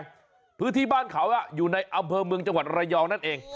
ในพื้นที่บ้านเขาอยู่ในอำเภอเมืองจังหวัดระยองนั่นเอง